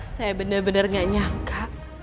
saya benar benar tidak menyangka